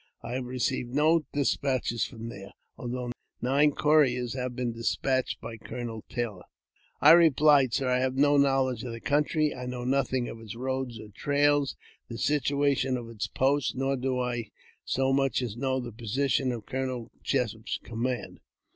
I have received no despatches from there, although nine couriers have been despatched by Colonel Taylor." I replied, "Sir, I have no knowledge of the country; I know nothing of its roads or Irails, the situation of its posts, nor do I so much as know the position of Colonel Jessup's command.